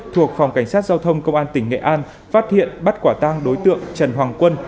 thuộc phòng cảnh sát giao thông công an tỉnh nghệ an phát hiện bắt quả tang đối tượng trần hoàng quân